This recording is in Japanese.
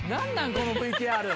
このＶＴＲ。